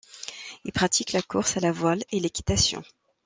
Il pratique la course à la voile et l'équitation.